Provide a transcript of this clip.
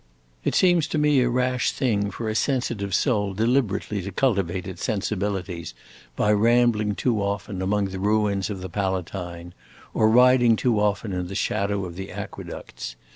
It seems to me a rash thing for a sensitive soul deliberately to cultivate its sensibilities by rambling too often among the ruins of the Palatine, or riding too often in the shadow of the aqueducts.